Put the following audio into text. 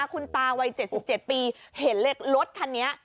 คุณตาวัย๗๗ปีเห็นเล็กลดทันเนี่ย